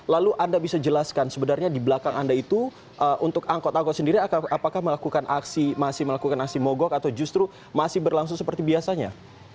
lalu anda bisa jelaskan sebenarnya di belakang anda itu untuk angkot angkot sendiri apakah melakukan aksi masih melakukan aksi mogok atau justru masih berlangsung seperti biasanya